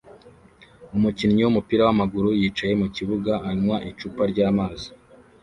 Umukinnyi wumupira wamaguru yicaye mukibuga anywa icupa ryamazi